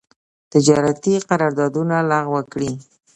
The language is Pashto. تجارتي قرارداونه لغو کړي.